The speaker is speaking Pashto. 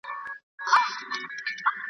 او وروسته مدیر شو